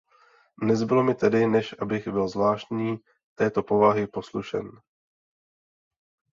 Nezbylo mi tedy, než abych byl zvláštní této povahy poslušen.